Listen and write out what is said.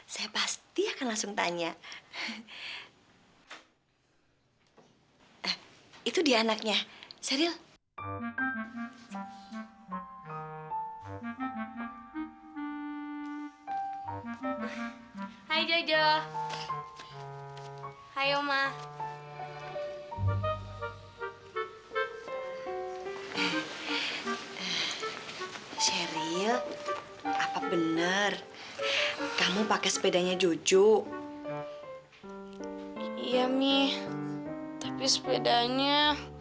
sampai jumpa di video selanjutnya